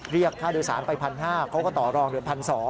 เรียกค่าโดยสารไป๑๕๐๐เขาก็ต่อรองเหลือ๑๒๐๐